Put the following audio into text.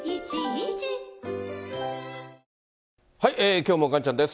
きょうも岩ちゃんです。